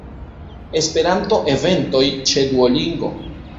Esperanto-eventoj ĉe Duolingo.